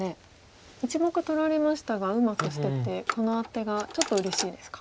１目取られましたがうまく捨ててこのアテがちょっとうれしいですか。